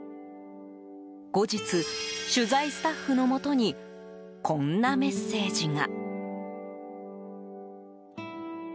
後日、取材スタッフのもとにこんなメッセージが。